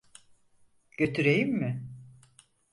Götüreyim mi?